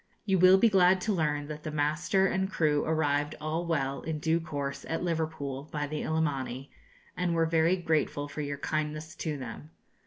You will be glad to learn that the master and crew arrived all well, in due course, at Liverpool, by the "Illimani," and were very grateful for your kindness to them.